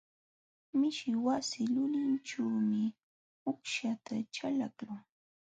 Mishi wasi lulinćhuumi ukuśhta chalaqlun.